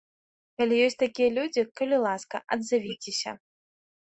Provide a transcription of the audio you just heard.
Калі ёсць такія людзі, калі ласка, адзавіцеся!